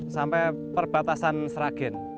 sampai perbatasan seragen